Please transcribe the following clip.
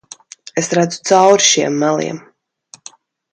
Es redzu cauri šiem meliem.